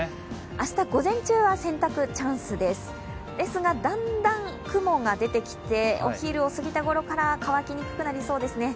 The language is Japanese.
明日、午前中は洗濯チャンスですですが、だんだん雲が出てきて、お昼を過ぎた頃から乾きにくくなりそうですね。